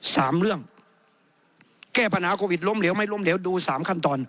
สามเรื่องแก้ปัญหาโควิดล้มเหลวไม่ล้มเหลวดูสามขั้นตอน